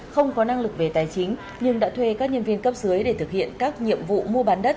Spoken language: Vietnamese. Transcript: không có năng lực về tài chính nhưng đã thuê các nhân viên cấp dưới để thực hiện các nhiệm vụ mua bán đất